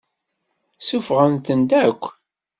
Suffɣemt-ten akk.